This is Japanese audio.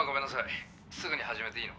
すぐに始めていいのかな？